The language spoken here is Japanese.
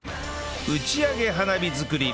打ち上げ花火作り